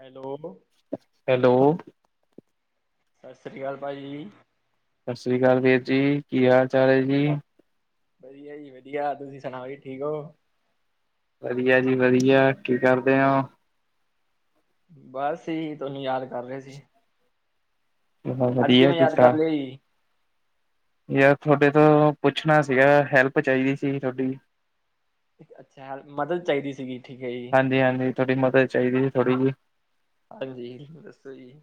Hello. Hello. ਸਸਰੀ ਅਕਾਲ ਭਾਜੀ। ਸਸਰੀ ਅਕਾਲ ਵੀਰ ਜੀ ਕੀ ਹਾਲ ਚਾਲ ਐ ਜੀ। ਵਧੀਆ ਜੀ- ਵਧੀਆ, ਤੁਸੀਂ ਸੁਣਾਓ ਜੀ ਠੀਕ ਹੋ? ਵਧੀਆ ਜੀ-ਵਧੀਆ ਕੀ ਕਰਦੇ ਹੋ? ਬਸ ਜੀ ਤੁਹਾਨੂੰ ਯਾਦ ਕਰ ਰਹੇ ਸੀ। ਹੋ? ਅੱਜ ਵਧੀਆ ਕਿਵੇਂ ਯਾਦ ਕੀਤਾ। ਕਰ ਲਿਆ ਜੀ। ਯਾਰ ਤੁਹਾਡੇ ਤੋਂ ਪੁੱਛਣਾ ਸੀਗਾ, ਹੈਲਪ ਚਾਹੀਦੀ ਸੀਗੀ ਤੁਹਾਡੀ ਅੱਛਾ ਹੈਲਪ, ਮਦਦ ਚਾਹੀਦੀ ਸੀਗੀ। ਠੀਕ ਹੈ ਜੀ ਹਾਂਜੀ-ਹਾਜੀ ਤੁਹਾਡੀ ਮਦਦ ਚਾਹੀਦੀ ਸੀ ਥੋੜ੍ਹੀ ਜੀ। ਹਾਂਜੀ ਦੱਸੋ ਜੀ।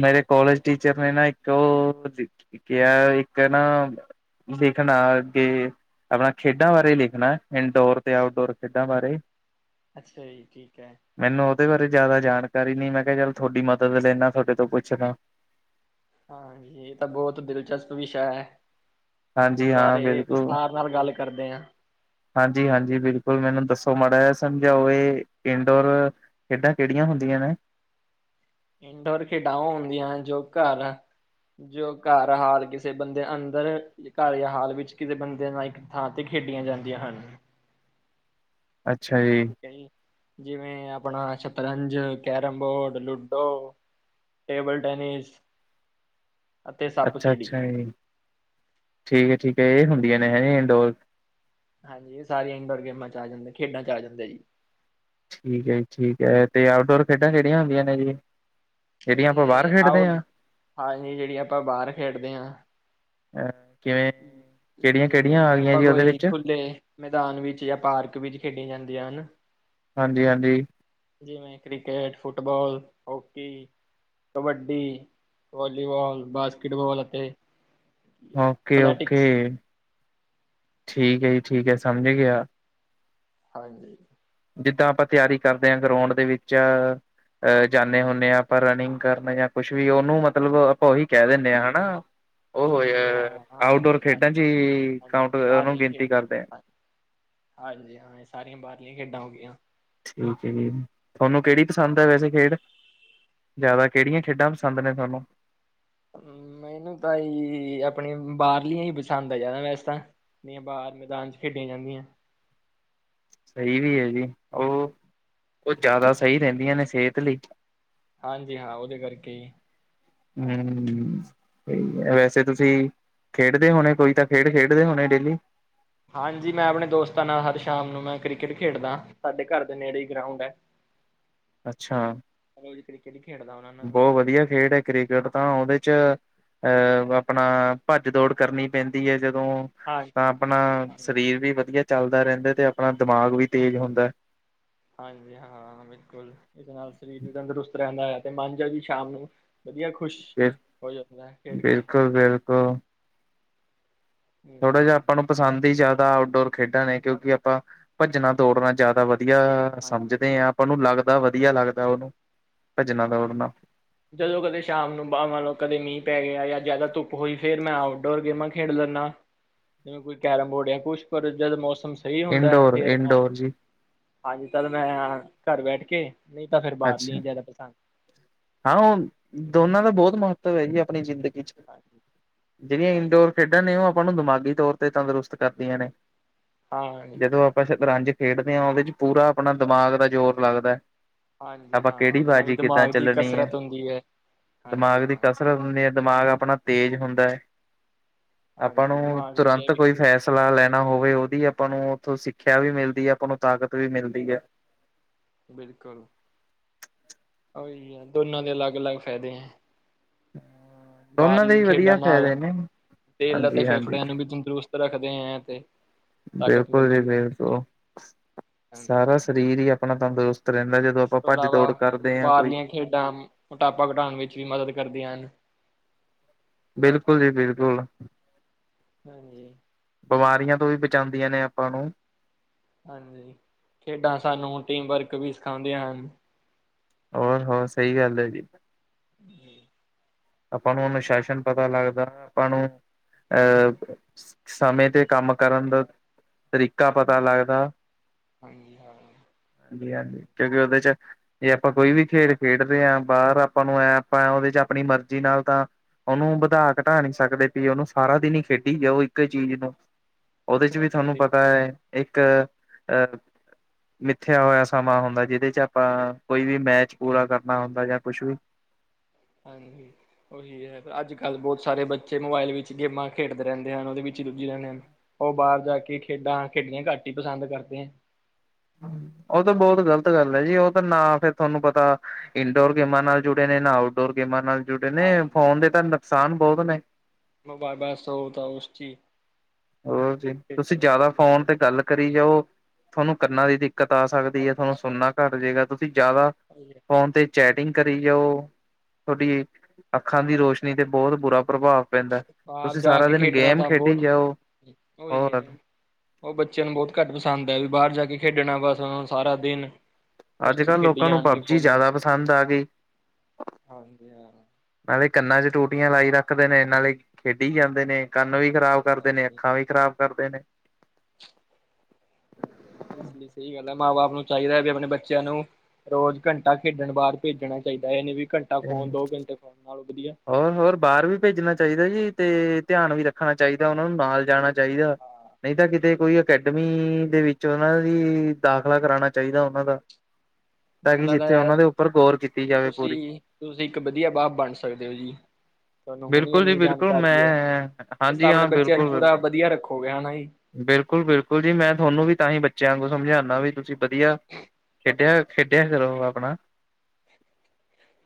ਮੇਰੇ ਕੋਲਜ ਟੀਚਰ ਨੇ ਨਾ ਇੱਕ ਉਹ ਕਿਹਾ ਇੱਕ ਨਾ ਦੇਖਣਾ ਅੱਗੇ ਆਪਣਾ ਖੇਡਾਂ ਬਾਰੇ ਲਿਖਣਾ ਇੰਨਡੋਰ ਤੇ ਆਊਟਡੋਰ ਖੇਡਾਂ ਬਾਰੇ ਅੱਛਾ ਜੀ ਠੀਕ ਐ। ਮੈਨੂੰ ਉਹਦੇ ਬਾਰੇ ਜ਼ਿਆਦਾ ਜਾਣਕਾਰੀ ਨੀ ਮੈਂ ਕਿਹਾ ਚੱਲ ਤੁਹਾਡੀ ਮਦਦ ਲੈਦਾ ਤੁਹਾਡੇ ਤੋਂ ਪੁੱਛਦਾ ਹਾਂਜੀ ਇਹ ਤਾਂ ਬਹੁਤ ਦਿਲਚਸਪ ਵਿਸ਼ਾ ਹੈ ਇਸ ਹਾਂਜੀ ਹਾਂ, ਵਿਥ ਨਾਲ ਗੱਲ ਕਰਦੇ ਆ। ਹਾਂਜੀ-ਹਾਂਜੀ ਬਿਲਕੁਲ ਮੈਨੂੰ ਦੱਸੋ ਮਾੜਾ ਜ ਸਮਝਾਓ ਇਹ ਇੰਡੋਰ ਖੇਡਾਂ ਕਿਹੜੀਆਂ ਹੁੰਦੀਆਂ ਨੇ। ਇੰਡੋਰ ਖੇਡਾਂ ਹੁੰਦੀਆਂ ਜੋ ਘਰ ਆ। ਜੋ ਘਰ ਹਾਲ ਕਿਸੇ ਬੰਦੇ ਅੰਦਰ ਘਰ ਹਾਲ ਵਿੱਚ ਕਿਸੇ ਬੰਦੇ ਨਾਲ ਇੱਕ ਥਾਂ 'ਤੇ ਖੇਡੀਆਂ ਜਾਂਦੀਆਂ ਹਨ। ਅੱਛਾ ਜੀ। ਕਈ ਜਿਵੇਂ ਆਪਣਾ ਸ਼ਤਰੰਜ, carrom board, ludo table tennis. [inaudible] ਅਤੇ ਸੱਪ ਸੀੜੀ ਅੱਛਾ-ਅੱਛਾ ਜੀ ਠੀਕ ਹੈ-ਠੀਕ ਹੈ ਇਹ ਹੁੰਦੀਆਂ ਨੇ ਹੈ ਇੰਡੋਰ। ਹਾਂਜੀ ਇਹ ਸਾਰੀਆਂ ਇੰਡੋਰ ਗੇਮਾਂ ਚ ਆ ਜਾਂਦੇ ਖੇਡਾਂ ਚ ਆ ਜਾਂਦਾ ਜੀ। ਠੀਕ ਹੈ ਜੀ, ਠੀਕ ਹੈ। ਤੇ ਆਊਟਡੋਰ ਖੇਡਾਂ ਕਿਹੜੀਆਂ ਹੁੰਦੀਆਂ ਨੇ ਜੀ। ਜਿਹੜੀਆਂ ਆਪਾਂ ਬਾਹਰ ਤੇ, ਖੇਡਦੇ ਆਉਡ ਹਾਂ ਆਹੀ ਜਿਹੜੀ ਆਪਾਂ ਬਾਹਰ ਖੇਡਦੇ ਹਾਂ। ਅ ਕਿਵੇਂ ਕਿਹੜੀਆਂ ਜਿਵੇਂ ਕਿਹੜੀਆਂ ਆ -ਜਿਵੇਂ ਗਈਆਂ ਆਪਾਂ ਜੀ ਉਹਦੇ ਕੋਈ ਵਿੱਚ ਖੁੱਲੇ ਮੈਦਾਨ ਵਿੱਚ ਜਾਂ ਪਾਰਕ ਵਿੱਚ ਖੇਡੀਆਂ ਜਾਂਦੀਆਂ ਹੈਨਾ। ਹਾਂਜੀ-ਹਾਂਜੀ। ਜਿਵੇਂ cricket, football, hockey kabaddi, volleyball, basketball ਅਤੇ ਓਕੇ- ਓਕੇ। ਅਥਲੈਟਿਕਸ ਠੀਕ ਹੈ ਜੀ, ਠੀਕ ਹੈ ਸਮਝ ਗਿਆ। ਹਾਂਜੀ। ਜਿੱਦਾਂ ਆਪਾਂ ਤਿਆਰੀ ਕਰਦੇ ਆ, ਗਰਾਊਂਡ ਦੇ ਵਿੱਚ ਅਹ ਜਾਣੇ ਹੁਨੇ ਹਾਂ, ਆਪਾਂ ਰਨਿੰਗ ਕਰਨ ਜਾਂ ਕੁੱਛ ਵੀ, ਉਹਨੂੰ ਮਤਲਬ ਆਪਾਂ ਉਹੀ ਕਹਿ ਦਿੰਦੇ ਆ ਹਨਾ ਉਹ ਹੋ ਹਾਂਜੀ ਯਰ, ਹਾਂ ਹਾਂਜੀ ਆਊਟਡੋਰ ਉਹ ਸਾਰੀ ਖੇਡਾਂ ਚ ਹੀ ਹਾਂਜੀ ਕਾਉਟ ਨੂੰ ਬਾਹਰਲੀਆਂ ਗਿਣਤੀ ਆ ਖੇਡਾਂ ਕਰਦੇ ਆ। ਹਾਂਜੀ ਹਾਂ, ਇਹ ਸਾਰੀਆਂ ਬਾਹਰਲੀਆਂ ਖੇਡਾਂ ਹੋ ਗਈਆ। ਠੀਕ ਹੈ ਜੀ, ਤੁਹਾਨੂੰ ਕਿਹੜੀ ਪਸੰਦ ਹੈ ਵੈਸੇ ਖੇਡ। ਜਾਦਾ ਕੇੜੀਆਂ ਖੇਡਾਂ ਪਸੰਦ ਨੇ ਤੁਆਨੂੰ? ਮੈਨੂੰ ਤਾਂ ਯੀ, ਆਪਨੀ ਬਾਰਲੀਆਂ ਈ ਪਸੰਦ ਐ ਜਾਦਾ ਵੈਸੇ ਤਾਂ। ਨੀਆਂ, ਬਾਰ ਮੈਦਾਨ 'ਚ ਖੇਡੀਆਂ ਜਾਂਦੀਐ। ਸੀ ਵੀ ਐ ਜੀ, ਓ, ਓ ਜਾਦਾ ਸਈ ਹਾਂਜੀ ਰੈਂਦੀਆਂ ਨੇ ਸੇਹਤ ਲਈ। ਹਾਂਜੀ ਹਾਂ, ਓਦੇ ਕਰਕੇ ਈ। ਹਮਮ [unintelligible] ਵੈਸੇ ਤੁਸੀ ਖੇਡਦੇ ਹੋਨੇ? ਕੋਈ ਤਾਂ, ਖੇਡ ਖੇਡਦੇ ਹੋਨੇ ਡੇਲੀ? ਹਾਂਜੀ, ਮੈਂ ਆਪਨੇ ਦੋਸਤਾਂ ਨਾਲ ਹਰ ਸ਼ਾਮ ਨੂੰ ਮੈਂ ਕ੍ਰਿਕਟ ਖੇਡਦਾਂ, ਸਾਡੇ ਘਰ ਦੇ ਨੇੜੇ ਈ ਗਰਾਊਂਡ ਐ। ਅੱਛਾ ਰੋਜ ਕ੍ਰਿਕਟ ਖੇਡਦਾਂ। ਬੋਤ ਵਦੀਐ ਖੇਡ ਐ। ਕ੍ਰਿਕਟ ਤਾਂ ਓਦੇ 'ਚ ਅ, ਆਪਨਾ ਭੱਜ ਦੌੜ ਕਰਨੀ ਪੈਂਦੀ ਐ ਜਦੋਂ ਹਾਂਜੀ ਤਾਂ ਆਪਨਾ ਹਾਂਜੀ ਸਰੀਰ ਵੀ ਵਦੀਐ ਚੱਲਦਾ ਰੈੰਦਾ ਤੇ, ਆਪਨਾ ਦਮਾਗ ਵੀ ਤੇਜ ਹੁੰਦੈ। ਹਾਂਜੀ ਹਾਂ, ਬਿਲਕੁਲ ਇਸ ਨਾਲ ਸਰੀਰ ਵੀ ਤੰਦਰੁਸਤ ਰੈੰਦੈ, ਤੇ ਮਨ ਜਾ ਵੀ ਸ਼ਾਮ ਨੂੰ ਵਦੀਆ ਖੁਸ਼ ਜੇ ਹੋ ਜਾਂਦੈ ਖੇਡ ਕੇ। ਬਿਲਕੁਲ-ਬਿਲਕੁਲ ਥੋੜਾ ਜੇਆ ਹੂੰ ਆਪਾਂ ਨੂੰ ਪਸੰਦ ਈ ਜਾਦਾ ਆਊਟਡੋਰ ਖੇਡਾਂ ਨੇ, ਕੇਉਂਕਿ ਆਪਾਂ ਭੱਜਨਾ- ਦੌੜਨਾ ਜਾਦਾ ਵਦੀਆ ਸਮਝਦੇ ਆਂ, ਆਪਾਂ ਨੂੰ ਲੱਗਦਾ ਵਦੀਆ ਲੱਗਦੈ ਓਨੂੰ ਭੱਜਨਾ-ਦੌੜਨਾ। ਜਦੋ ਕਦੇ ਸ਼ਾਮ ਨੂੰ ਮੰਨ ਲਓ, ਕਦੇ ਮੀਂ ਪੈ ਗੇਆ ਜਾਂ ਜਾਦਾ ਧੁੱਪ ਹੋਈ ਫੇਰ ਮੈਂ ਆਊਟਡੋਰ ਗੇਮਾਂ ਖੇਡ ਲੈਂਨਾ। ਜਿਵੇਂ, ਕੋਈ ਕੈਰਮ ਬੋਰਡ ਯਾ ਕੁਛ, ਪਰ ਜਦ ਮੌਸਮ ਸਈ ਹੁੰਦੈ ਫੇਰ ਇੰਡੋਰ-ਇੰਡੋਰ ਜੀ ਹਾਂਜੀ, ਤਦ ਮੈਂ ਘਰ ਬੈਠ ਕੇ ਨਈਂ ਤਾਂ ਫੇਰ ਅੱਛਾ ਬਾਰਲੀਆਂ ਈ ਜਾਦਾ ਪਸੰਦ ਹਾਂ, ਓ ਦੋਨਾਂ ਦਾ ਬੋਤ ਮਹੱਤਵ ਹੈ ਜੀ, ਆਪਨੀਂ ਜਿੰਦਗੀ 'ਚ ਹਾਂਜੀ। ਜੇੜੀਆਂ ਹਾਂਜੀ ਇੰਨਡੋਰ ਖੇਡਾਂ ਨੇ ਓ ਆਪਾਂ ਨੂੰ ਦਮਾਗੀ ਤੌਰ ਤੇ ਤੰਦਰੁਸਤ ਕਰਦੀਆਂ ਨੇ, [inaudible] ਹਾਂਜੀ ਜਦੋਂ ਸ਼ਤਰੰਜ ਖੇਡਦੇ ਆਂ, ਓਦੇ 'ਚ ਪੂਰਾ ਆਪਨਾ ਦਮਾਗ ਦਾ ਜੋਰ ਲੱਗਦੈ। ਹਾਂਜੀ ਆਂਪਾ ਹਾਂ ਕੇੜੀ ਉਹਦੇ ਨਾਲ ਵੀ ਬਾਜੀ ਕਿੱਦਾਂ ਦਿਮਾਗ ਦੀ ਚੱਲਨੀ ਐ, ਕਸਰਤ ਹੁੰਦੀ ਹੈ। ਹਾਂਜੀ ਦਮਾਗ ਦੀ ਹਾਂ ਕਸਰ ਹੁਨੇ ਆਂ, ਦਮਾਗ ਆਪਨਾ ਤੇਜ ਹੁੰਦੈ। ਆਪਾਂ ਹਾਂਜੀ ਨੂੰ, ਦਿਮਾਗ ਵਧੀਆ ਤੁਰੰਤ ਕੋਈ ਵਿਕਸਿਤ ਫੈੰਸਲਾ ਹੁੰਦਾ। ਲੈਨਾ ਹੋਵੇ ਓਦੀ ਆਪਾਂ ਨੂੰ ਓਥੋਂ ਸਿੱਖੇਆ ਵੀ ਮਿਲਦੀ ਐ, ਆਪਾਂ ਨੂੰ ਤਾਕਤ ਵੀ ਮਿਲਦੀ ਐ। ਬਿਲਕੁਲ। ਓਈ ਐ, ਦੋਨਾਂ ਦੇ ਅਲੱਗ-ਅਲੱਗ ਫਾਏਦੇ ਐਂ। ਦੋਨਾਂ ਦੇ ਬਾਰਲੀ ਹੀ ਖੇਡਾਂ ਵਧੀਆ ਨਾਲ, ਫਾਇਦੇ ਨੇ ਦਿਲ ਅਤੇ ਹਾਂਜੀ ਹਾਂਜੀ ਫੇਫੜੇਆਂ ਨੂੰ ਵੀ ਤੰਦਰੁਸਤ ਰੱਖਦੇ ਐਂ ਤੇ ਤਾਕਤ ਬਿਲਕੁਲ ਜੀ ਮਿਲਦੀ ਹੈ। ਬਿਲਕੁ ਸਾਰਾ ਇਸ ਸਰੀਰ ਈ ਆਪਨਾ ਤੰਦਰੁਸਤ ਰੈੰਦਾ ਜਦੋਂ ਆਪਾਂ ਤੋਂ ਭੱਜ-ਦੌੜ ਇਲਾਵਾ ਕਰਦੇ ਆਂ ਕੋਈ। ਬਾਹਰਲੀਆਂ ਖੇਡਾਂ ਮੋਟਾਪਾ ਘਟਾਣ ਵਿੱਚ ਵੀ ਮਦਦ ਕਰਦੀਆਂ ਨ। ਬਿਲਕੁਲ ਜੀ ਬਿਲਕੁਲ। ਹਾਂਜੀ। ਬਮਾਰੀਆਂ ਤੋਂ ਵੀ ਬਚਾਂਦੀਆਂ ਨੇ ਆਪਾਂ ਨੂੰ। ਹਾਂਜੀ, ਖੇਡਾਂ ਸਾਨੂੰ ਟੀਮ ਵਰਕ ਵੀ ਸਖਾਂਦੀਆਂ ਹਨ। ਹੋਰ -ਹੋਰ ਸਈ ਗੱਲ ਐ ਜੀ। [inaudible] ਆਪਾਂ ਨੂੰ ਅਨੁਸ਼ਾਸਨ ਪਤਾ ਲੱਗਦੈ ਆਪਾਂ ਨੂੰ ਅ ਸਮੇਂ ਤੇ ਕੰਮ ਕਰਨ ਦਾ ਤਰੀਕਾ ਪਤਾ ਲੱਗਦਾ। [unintelligible] ਹਾਂਜੀ -ਹਾਂਜੀ, ਕੇਉਂਕਿ ਓਦੇ 'ਚ ਜੇ ਆਪਾਂ ਕੋਈ ਵੀ ਖੇਡ ਖੇਡਦੇ ਹਾਂ ਬਾਹਰ ਆਪਾਂ ਨੂੰ ਐ ਆਪਾਂ ਉਹਦੇ ਚ ਆਪਣੀ ਮਰਜ਼ੀ ਨਾਲ ਤਾਂ ਉਹਨੂੰ ਵਧਾ ਘਟਾ ਨੀ ਸਕਦੇ ਵੀ ਉਹਨੂੰ ਸਾਰਾ ਦਿਨ ਹੀ ਖੇਡੀ ਜਾਉ ਉਹ ਇੱਕ ਹੀ ਚੀਜ਼ ਨੂੰ ਉਹਦੇ ਚ ਵੀ ਤੁਹਾਨੂੰ ਤੇ ਪਤਾ ਹੈ ਇੱਕ ਅਹ ਮਿਥਿਆ ਹੋਇਆ ਸਮਾਂ ਹੁੰਦਾ ਜਿਹਦੇ ਚ ਆਪਾਂ ਕੋਈ ਵੀ ਮੈਚ ਪੂਰਾ ਕਰਨਾ ਹੁੰਦਾ ਜਾਂ ਕੁਛ ਵੀ। ਹਾਂਜੀ। ਉਹੀ ਪਰ ਅੱਜ ਕੱਲ੍ਹ ਬਹੁਤ ਸਾਰੇ ਬੱਚੇ ਮੋਬਾਇਲ ਵਿੱਚ ਗੇਮਾਂ ਖੇਡਦੇ ਰਹਿੰਦੇ ਹਨ ਉਹਦੇ ਵਿੱਚ ਹੀ ਰੁੱਝੀ ਰਹਿੰਦੇ ਹਨ। ਉਹ ਬਾਹਰ ਜਾ ਕੇ ਖੇਡਾਂ ਖੇਡੀਆਂ ਘੱਟ ਹੀ ਪਸੰਦ ਕਰਦੇ ਹੈ। ਉਹ ਤਾਂ ਬਹੁਤ ਗ਼ਲਤ ਗੱਲ ਹੈ ਜੀ ਉਹ ਤਾਂ ਨਾ ਫੇਿਰ ਤੁਹਾਨੂੰ ਪਤਾ ਇੰਡੋਰ ਗੇਮਾਂ ਨਾਲ ਜੁੜੇ ਨੇ ਨਾ ਆਊਟਡੋਰ ਗੇਮਾਂ ਨਾਲ ਜੁੜੇ ਨੇ ਹਾਂਜੀ ਫੋਨ ਦੇ ਤਾਂ ਨੁਕਸਾਨ ਬਹੁਤ ਨੇ ਮੈਂਬਾਇਬਸਾ ਤਾਂ ਉਸ ਚੀ ਹੋਰ ਜੀ ਤੁਸੀਂ ਜਿਆਦਾ ਫੋਨ ਗੇਮਾਂ। ਤੇ ਗੱਲ ਕਰੀ ਜਾਓ ਤੁਹਾਨੂੰ ਕੰਨਾਂ ਦੀ ਦਿੱਕਤ ਆ ਸਕਦੀ ਹੈ ਤੁਹਾਨੂੰ ਸੁਣਨਾ ਘੱਟ ਜੇਗਾ ਤੁਸੀਂ ਜਿਆਦਾ [inaudible] ਫ਼ੋਨ 'ਤੇ ਚੈਟਿੰਗ ਕਰੀ ਜਾਓ ਤੁਹਾਡੀ ਅੱਖਾਂ ਦੀ ਰੋਸ਼ਨੀ 'ਤੇ ਬਹੁਤ ਬੁਰਾ ਪ੍ਰਭਾਵ ਪੈਂਦਾ ਤੁਸੀਂ ਸਾਰਾ ਦਿਨ ਗੇਮ ਖੇਡੀ ਜਾਓ ਇਕੋ ਹੀ ਹੋਰ ਹ ਉਹ ਬੱਚਿਆਂ ਨੂੰ ਬਹੁਤ ਘੱਟ ਪਸੰਦ ਹੈ ਵੀ ਬਾਹਰ ਜਾ ਕੇ ਖੇਡਣਾ ਬਸ ਉਹ ਨੂੰ ਸਾਰਾ ਦਿਨ ਉਸ ਅੱਜ ਚ ਕੱਲ੍ਹ ਖੇਡੀ ਲੋਕਾਂ ਨੂੰ ਜਾਣਗੇ ਪਬਜੀ ਫੋਨਾਂ ਚ ਜ਼ਿਆਦਾ ਪਸੰਦ ਆ ਗਈ। ਹਾਂਜੀ ਹਾਂ ਨਾਲੇ ਕੰਨਾਂ ਚ ਟੂਟੀਆਂ ਲਾਈ ਰੱਖਦੇ ਨੇ ਨਾਲੇ ਖੇਡੀ ਜਾਂਦੇ ਨੇ ਕੰਨ ਵੀ ਖ਼ਰਾਬ ਕਰਦੇ ਨੇ ਹਾਂਜੀ ਅੱਖਾਂ, ਵੀ ਖਰਾਬ, ਕਰਦੇ ਨੇ। ਇਸ ਲਈ ਸਹੀ ਗੱਲ ਹੈ ਮਾਂ ਬਾਪ ਨੂੰ ਚਾਹੀਦਾ ਵੀ ਆਪਣੇ ਬੱਚਿਆਂ ਨੂੰ ਰੋਜ਼ ਘੰਟਾ ਖੇਡਣ ਬਾਹਰ ਭੇਜਣਾ ਚਾਹੀਦਾ ਇਹਨੇ ਵੀ ਘੰਟਾ ਫੋਨ ਦੋ ਘੰਟੇ ਫੋਨ ਨਾਲ ਵਧੀਆ ਹੋਰ ਹੋਰ ਬਾਹਰ ਵੀ ਭੇਜਣਾ ਚਾਹੀਦਾ ਜੀ ਤੇ ਧਿਆਨ ਵੀ ਰੱਖਣਾ ਚਾਹੀਦਾ ਉਹਨਾ ਨੂੰ ਨਾਲ ਜਾਣਾ ਚਾਹੀਦਾ। ਨਹੀਂ ਤਾਂ ਕਿਤੇ ਕੋਈ ਅਕੈਡਮੀ ਦੇ ਵਿੱਚ ਉਹਨਾਂ ਦੀ ਦਾਖਲਾ ਕਰਾਉਣਾ ਚਾਹੀਦਾ ਉਹਨਾਂ ਦਾ। ਤਾਂ ਮੈਨੂੰ ਕਿ ਲੱਗਦਾ ਜਿੱਥੇ ਹੈ ਉਹਨਾਂ ਦੇ ਉੱਪਰ ਗੌਰ ਕੀਤੀ ਜਾਵੇ ਪੂਰੀ। ਤੁਸੀਂ ਤੁਸੀਂ ਇੱਕ ਵਧੀਆ ਬਾਪ ਬਣ ਸਕਦੇ ਹੋ ਜੀ ਤੁਹਾਨੂੰ ਹੁਣੀ ਬਿਲਕੁਲ ਜੀ ਇੰਨੀ ਬਿਲਕੁਲ ਮੈਂ ਜਾਣਕਾਰੀ ਹੈ। ਤੁ ਹਾਂਜੀ ਆਪਣੇ ਹਾਂ ਬੱਚਿਆਂ ਨੂੰ ਪੂਰਾ ਵਧੀਆ ਰੱਖੋਗੇ ਹਨਾ ਜੀ। ਬਿਲਕੁਲ ਬਿਲਕੁਲ ਜੀ ਮੈਂ ਤੁਹਾਨੂੰ ਵੀ ਤਾਂਹੀ ਬੱਚਿਆ ਆਂਗੂ ਸਮਝਾਉਦਾ ਵੀ ਤੁਸੀਂ ਵਧੀਆ ਖੇਡਿਆ ਖੇਡਿਆ ਕਰੋ ਆਪਣਾ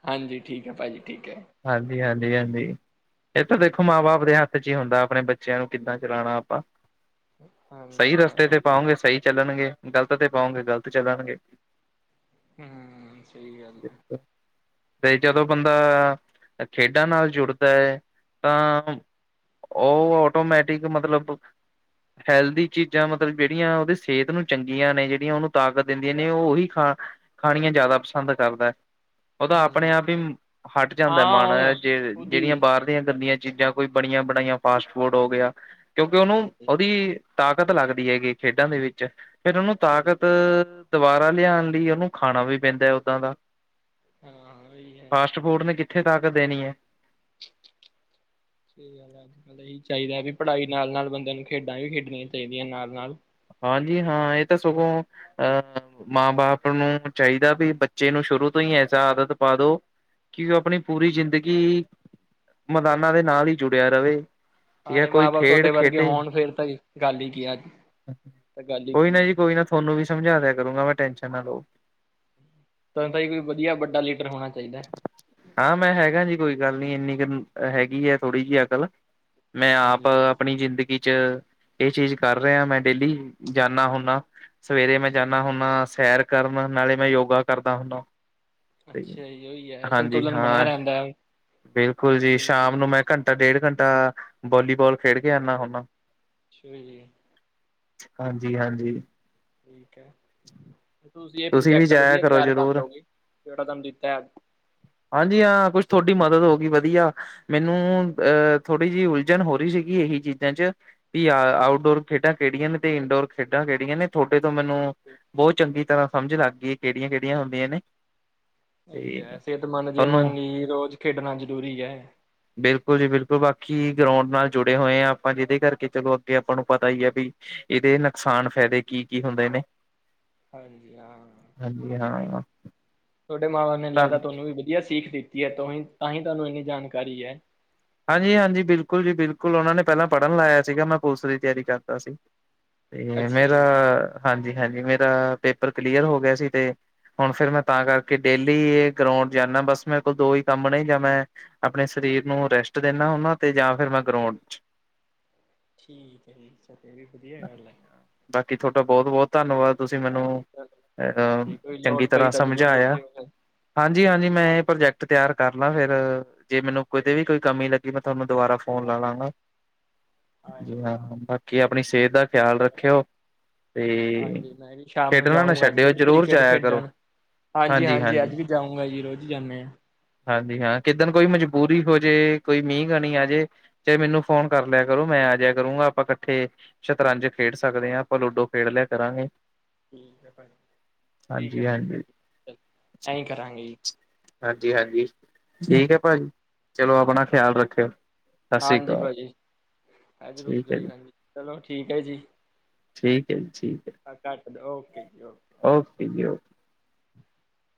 ਹਾਂਜੀ ਠੀਕ ਹੈ ਭਾਜੀ ਠੀਕ ਹੈ। ਹਾਂਜੀ ਹਾਂਜੀ ਹਾਂਜੀ। ਇਹ ਤਾਂ ਦੇਖੋ ਮਾਂ ਬਾਪ ਦੇ ਹੱਥ ਚ ਹੀ ਹੁੰਦਾ ਆਪਣੇ ਬੱਚਿਆਂ ਨੂੰ ਕਿੱਦਾਂ ਚਲਾਉਣਾ ਆਪਾਂ ਹਾਂਜੀ ਸਹੀ ਹਾਂ ਰਸਤੇ ਤੇ ਪਾਉਗੇ ਸਹੀ ਚੱਲਣਗੇ ਗ਼ਲਤ, ਤੇ ਪਾਉਗੇ ਗ਼ਲਤ, ਚੱਲਣਗੇ। ਹੂੰਮ ਸਹੀ ਗੱਲ ਹੈ। ਤੇ ਜਦੋਂ ਬੰਦਾ ਖੇਡਾਂ ਨਾਲ ਜੁੜਦਾ ਹੈ ਤਾ ਉਹ ਆਟੋਮੈਟਿਕ ਮਤਲਬ ਹੈਲਦੀ ਚੀਜ਼ਾਂ ਮਤਲਬ ਜਿਹੜੀਆਂ ਉਹਦੀ ਸਿਹਤ ਨੂੰ ਚੰਗੀਆਂ ਨੇ ਜਿਹੜੀਆਂ ਉਹਨੂੰ ਤਾਕਤ ਦਿੰਦੀਆਂ ਨੇ ਉਹ ਉਹੀ ਖਾ ਖਾਣੀਆਂ ਜ਼ਿਆਦਾ ਪਸੰਦ ਕਰਦਾ। ਉਹਦਾ ਹਮ ਆਪਣੇ ਆਪ ਹੀ ਹਟ ਜਾਂਦਾ ਮਨ ਹਾਂ ਜੇ ਖੁਦ ਜਿਹੜੀਆਂ ਹੀ ਬਾਹਰ ਦੀਆਂ ਗੰਦੀਆਂ ਚੀਜ਼ਾਂ ਕੋਈ ਬਣੀਆਂ-ਬਣਾਈਆਂ ਫਾਸਟ ਫੂਡ ਹੋ ਗਿਆ। ਕਿਉਂਕਿ ਉਨੂੰ ਉਦੀ ਤਾਕਤ ਲੱਗਦੀ ਹੈਗੀ ਖੇਡਾਂ ਦੇ ਵਿੱਚ ਫੇਰ ਉਨੂੰ ਸਹੀ ਤਾਕਤ ਗੱਲ ਹੈ ਦੁਬਾਰਾ ਲਿਆਣ ਲਈ ਉਨੂੰ ਖਾਣਾ ਵੀ ਪੈਂਦਾ ਓਦਾ ਦਾ ਹਾਂ ਵੋਹੀ ਹੈ ਹੋਰ ਨੇ ਕਿੱਥੇ ਤਾਕਤ ਦੇਣੀ ਏ ਤੇ ਗੱਲ ਅੱਜ-ਕੱਲ੍ਹ ਇਹੀ ਚਾਹੀਦਾ ਵੀ ਪੜ੍ਹਾਈ ਨਾਲ-ਨਾਲ ਬੰਦੇ ਨੂੰ ਖੇਡਾਂ ਵੀ ਖੇਡਣੀਆਂ ਚਾਈਦੀਆਂ ਨਾਲ-ਨਾਲ। ਹਾਂਜੀ ਹਾਂ ਏ ਤਾਂ ਸਗੋਂ ਅ ਮਾਂ ਬਾਪ ਨੂੰ ਚਾਈਦਾ ਵੀ ਬੱਚੇ ਨੂੰ ਸ਼ੁਰੂ ਤੋਂ ਈ ਐਸਾ ਆਦਤ ਪਾ ਦੋ ਕਿ ਓ ਆਪਣੀ ਪੂਰੀ ਜ਼ਿੰਦਗੀ ਮੈਦਾਨਾ ਦੇ ਨਾਲ ਈ ਜੁੜਿਆ ਰਵੇ। ਠੀਕ ਹੈ ਸਾਰੇ ਕੋਈ ਮਾਂ-ਬਾਪ ਖੇਡ ਤੁਆਡੇ ਵਰਗੇ ਖੇਡੇ ਹੋਣ ਫੇਰ ਤਾਂ ਗੱਲ ਈ ਕੀ ਆ ਕੋਈ ਨਾ ਜੀ ਕੋਈ ਨਾ ਥੋਨੂੰ ਵੀ ਸਮਝਾ ਦਿਆ ਕਰੂੰਗਾ ਮੈਂ ਟੈਨਸ਼ਨ ਨਾ ਲਓ। ਤਾਨੂੰ ਤਾਂ ਏ ਵੀ ਵਧੀਆ ਵੱਡਾ ਲੀਡਰ ਹੋਣਾ ਚਾਈਦਾ। ਹਾਂ ਮੈਂ ਹੈਗਾ ਜੀ ਕੋਈ ਗੱਲ ਨੀ ਇੰਨੀ ਕੁ ਹੈਗੀ ਐ ਥੋੜ੍ਹੀ ਜੀ ਅਕਲ। ਮੈਂ ਆਪ ਹਾਂਜੀ ਹਾਂਜੀ ਆਪਣੀ ਜ਼ਿੰਦਗੀ ਚ ਏ ਚੀਜ਼ ਕਰ ਰਿਆ ਮੈਂ ਡੇਲੀ। ਜਾਂਨਾ ਹੁੰਨਾ, ਸਵੇਰੇ ਮੈਂ ਅੱਛਾ ਜਾਂਨਾ ਹੁੰਨਾ ਸੈਰ ਕਰਨ ਨਾਲੇ ਮੈਂ ਯੋਗਾ ਕਰਦਾ ਹੁੰਨਾ। ਅੱਛਾ ਜੀ ਓਈ ਐ ਹਾਂਜੀ ਸੰਤੁਲਨ ਹਾਂ ਬਣਿਆ ਰੈਂਦਾ ਬਿਲਕੁਲ ਜੀ ਸ਼ਾਮ ਨੂੰ ਮੈਂ ਘੰਟਾ ਡੇਢ ਘੰਟਾ ਵੋਲੀਬਾਲ ਖੇਡ ਕੇ ਆਨਾ ਹੁੰਨਾ। ਅੱਛਾ ਜੀ। ਹਾਂਜੀ, ਹਾਂਜੀ। ਠੀਕ ਐ ਤੇ ਤੁਸੀਂ ਐ ਵੀ ਪ੍ਰੋਜੈਕਟ ਜਾਇਆ ਵਧੀਆ ਕਰੋ ਤਿਆਰ ਕਰ ਜ਼ਰੂਰ ਲਉਗੇ ਜੇੜਾ ਤਾਨੂੰ ਦਿੱਤਾ ਏ। ਹਾਂਜੀ ਹਾਂ ਕੁਛ ਥੌਡੀ ਮਦਦ ਹੋ ਗਈ ਵਧੀਆ ਮੈਨੂੰ ਅ ਥੋੜ੍ਹੀ ਜੀ ਉਲਝਣ ਹੋ ਰੀ ਸੀਗੀ ਏਹੀ ਚੀਜ਼ਾਂ ਚ ਪੀ ਆ ਹੈ ਆਊਟਡੋਰ ਖੇਡਾਂ ਕੇੜੀਆਂ ਨੇ ਤੇ ਇਨਡੋਰ ਖੇਡਾਂ ਕੇੜੀਆਂ ਨੇ ਥੋਡੇ ਤੋਂ ਮੈਨੂੰ ਬੋਤ ਚੰਗੀ ਤਰ੍ਹਾਂ ਸਮਝ ਲੱਗ ਗਈ ਕੇੜੀਆ ਸਈ ਐ ਸੇਤਮੰਦ ਤੁਹਾਨੂੰ ਜੀਵਨ ਲਈ ਰੋਜ਼ ਖੇਡਣਾ ਜ਼ਰੂਰੀ ਐ। ਬਿਲਕੁਲ ਜੀ ਬਿਲਕੁਲ ਬਾਕੀ ਗਰੋਂਡ ਨਾਲ ਜੁੜੇ ਹੋਏ ਆ ਆਪਾਂ ਜਿਦੇ ਕਰਕੇ ਚਲੋ ਅੱਗੇ ਆਪਾਂ ਨੂੰ ਪਤਾ ਈ ਆ ਵੀ ਏਦੇ ਨੁਕਸਾਨ ਫੈਦੇ ਕੀ-ਕੀ ਹੁੰਦੇ ਨੇ? ਹਾਂਜੀ ਹਾਂ। ਹਾਂਜੀ ਹਾਂ। ਤੁਆਡੇ ਮਾਂਵਾ ਨੇ ਲੱਗਦਾ ਤੁਆਨੂੰ ਵੀ ਵਧੀਆ ਸੀਖ ਦਿੱਤੀ ਏ ਤੁ ਤਾਂਹੀ ਤੁਆਨੂੰ ਇੰਨੀ ਜਾਣਕਾਰੀ ਐ। ਹਾਂਜੀ, ਹਾਂਜੀ ਬਿਲਕੁਲ ਜੀ ਬਿਲਕੁਲ ਉਨਾਂ ਨੇ ਪਹਿਲਾਂ ਪੜ੍ਹਨ ਲਾਇਆ ਸੀਗਾ ਮੈਂ ਪੁਲਿਸ ਦੀ ਤਿਆਰੀ ਕਰਦਾ ਸੀ। ਤੇ ਅੱਛਾ ਮੇਰਾ ਜੀ ਹਾਂਜੀ, ਹਾਂਜੀ ਮੇਰਾ ਪੇਪਰ ਕਲੀਅਰ ਹੋ ਗਿਆ ਸੀ ਤੇ ਹੁਣ ਫੇਰ ਮੈਂ ਤਾਂ ਕਰਕੇ ਡੇਲੀ ਏ ਗਰੋਂਡ ਜਾਂਨਾ ਬਸ ਮੇਰੇ ਕੋਲ ਦੋ ਈ ਕੰਮ ਨੇ ਜਾ ਮੈਂ ਅਪਣੇ ਸਰੀਰ ਨੂੰ ਰੈਸਟ ਦਿੰਨਾ ਹੁੰਨਾ ਤੇ ਜਾਂ ਫਿਰ ਮੈਂ ਗਰੋਂਡ ਚ ਠੀਕ ਏ ਜੀ ਅੱਛਾ ਏ ਵੀ ਵਧੀਆ ਗੱਲ ਐ। ਬਾਕੀ ਥੋਡਾ ਬੋਤ-ਬੋਤ ਧੰਨਵਾਦ ਤੁਸੀਂ ਮੈਨੂੰ ਹਾਂਜੀ ਚਲੋ। ਅ ਹਾਂਜੀ ਕੋਈ ਲੋੜ ਚੰਗੀ ਪਈ ਤਰ੍ਹਾਂ ਤਾਂ ਜ਼ਰੂਰ ਸਮਝਾਇਆ। ਦੱਸਿਓ ਫਿਰ ਹਾਂਜੀ, ਹਾਂਜੀ ਮੈਂ ਏ ਪ੍ਰੋਜੈਕਟ ਤਿਆਰ ਕਰ ਲਾਂ ਫੇਰ ਜੇ ਮੈਨੂੰ ਕਿਤੇ ਵੀ ਕੋਈ ਕਮੀ ਲੱਗੀ ਮੈਂ ਥੋਨੂੰ ਦੁਬਾਰਾ ਫੋਨ ਲਾ ਹਾਂਜੀ ਲਾਂਗਾ ਜੀ ਹਾਂ ਬਾਕੀ ਆਪਣੀ ਸੇਤ ਦਾ ਖਿਆਲ ਰੱਖਿਓ। ਤੇ ਹਾਂਜੀ ਮੈਂ ਵੀ ਸ਼ਾਮ ਨੂੰ ਖੇਡਣਾ ਨਾ ਜਾਊਂਗਾ ਅੱਜ ਛੱਡਿਓ ਫੇਰ ਜ਼ਰੂਰ ਕ੍ਰਿਕਟ ਜਾਇਆ ਕਰੋ ਖੇਡਣ ਹਾਂਜੀ, ਹਾਂਜੀ ਅੱਜ ਵੀ ਜਾਊਂਗਾ ਜੀ ਰੋਜ਼ ਈ ਜਾਂਨੇ ਆ। ਹਾਂ ਜੀ ਹਾਂ ਕਿੱਦਣ ਕੋਈ ਮਜਬੂਰੀ ਹੋਜੇ ਕੋਈ ਮੀਂਹ ਕਣੀ ਆਜੇ ਚਾਏ ਮੈਨੂੰ ਫੋਨ ਕਰ ਲਿਆ ਕਰੋ। ਮੈਂ ਆਜਿਆ ਕਰੂੰਗਾ ਆਪਾਂ ਕੱਠੇ ਸ਼ਤਰੰਜ ਖੇਡ ਠੀਕ ਸਕਦੇ ਆਂ। ਆਪਾਂ ਲੂਡੋ ਖੇਡ ਲਿਆ ਕਰਾਂਗੇ। ਠੀਕ ਏ ਪਾਜੀ, ਠੀਕ ਐ ਹਾਂਜੀ ਪਾਜੀ ਹਾਂਜੀ ਐਂਈ ਕਰਾਂਗੇ ਜੀ। ਜੀ ਹਾਂਜੀ ਠੀਕ ਐ ਭਾਜੀ। ਚਲੋ, ਆਪਣਾ ਜੀ। ਖਿਆਲ ਰੱਖਿਓ ਸਸਰੀ ਹਾਂਜੀ ਕਾਲ ਭਾਜੀ, ਹਾਂਜੀ ਰੁਕ ਠੀਕ ਜਾਓ ਐ ਜੀ। ਹਾਂਜੀ ਚਲੋ ਠੀਕ ਐ ਜੀ। ਠੀਕ ਐ ਜੀ ਠੀਕ ਐ। ਆ ਕੱਟ ਦੋ ਓਕੇ ਜੀ ਓਕੇ। ਓਕੇ ਜੀ, ਓ [inaudible]